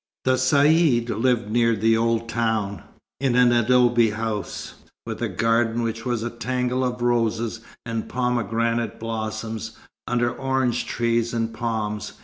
The Caïd lived near the old town, in an adobe house, with a garden which was a tangle of roses and pomegranate blossoms, under orange trees and palms.